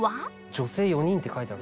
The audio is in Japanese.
「女性４人」って書いてある。